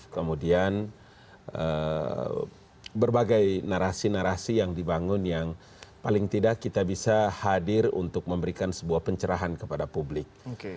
kemudian berbagai narasi narasi yang dibangun yang paling tidak kita bisa hadir untuk memberikan sebuah pencerahan kepada publik